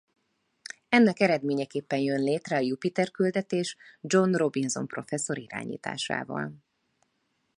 Ennek eredményeképpen jön létre a Jupiter-küldetés John Robinson professzor irányításával.